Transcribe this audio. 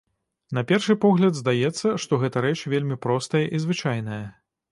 На першы погляд здаецца, што гэта рэч вельмі простая і звычайная.